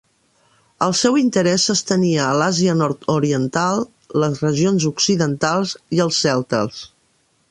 El seu interès s'estenia a l'Àsia nord-oriental, les regions occidentals i els celtes.